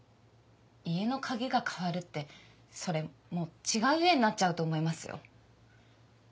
家の鍵が変わるってそれもう違う家になっちゃうと思いますよ。